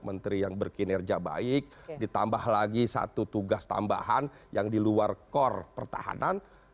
menteri yang berkinerja baik ditambah lagi satu tugas tambahan yang di luar core pertahanan